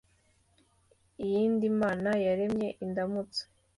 Iyindi Mana yaremye Indamutsa